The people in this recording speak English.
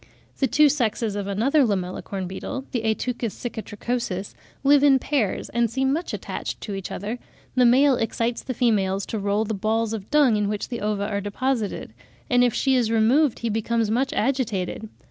The two sexes of another Lamellicorn beetle, the Ateuchus cicatricosus, live in pairs, and seem much attached to each other; the male excites the females to roll the balls of dung in which the ova are deposited; and if she is removed, he becomes much agitated.